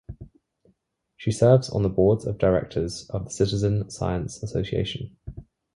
She serves on the Boards of Directors of the Citizen Science Association.